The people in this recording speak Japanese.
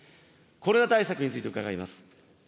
コロナ対策について伺います。